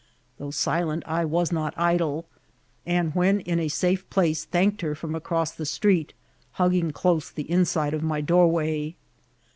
Though silent, I was not idle ; and when in a safe place thanked her from across the street, hugypuig close the inside of my doorway.